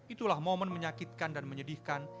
itulah momen menyakitkan dan menyedihkan